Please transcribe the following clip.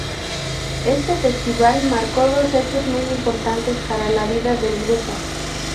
Este festival marcó dos hechos muy importantes para la vida del grupo.